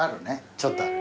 ちょっとある。